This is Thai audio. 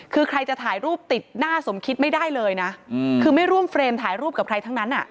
คือใครจะถ่ายรูปติดหน้าสมคิดไม่ได้เลยนะคือไม่ร่วมเฟรมถ่ายรูปกับใครทั้งนั้น